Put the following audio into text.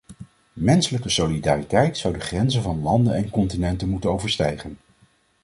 Menselijke solidariteit zou de grenzen van landen en continenten moeten overstijgen.